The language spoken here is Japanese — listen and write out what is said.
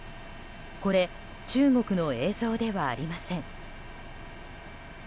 これ中国の映像ではありません。